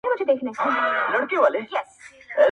همېشه به وه روان پکښي جنگونه،